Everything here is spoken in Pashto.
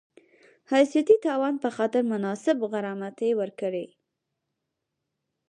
حیثیتي تاوان په خاطر مناسب غرامت ورکړي